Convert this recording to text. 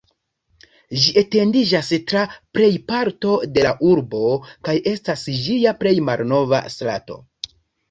Ĝi etendiĝas tra plejparto de la urbo kaj estas ĝia plej malnova strato.